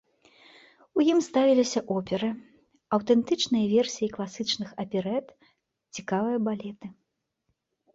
У ім ставіліся оперы, аўтэнтычныя версіі класічных аперэт, цікавыя балеты.